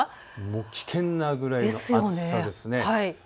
危険なぐらいの暑さです。